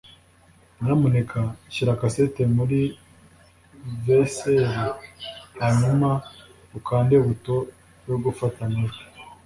nyamuneka shyira cassette muri vcr hanyuma ukande buto yo gufata amajwi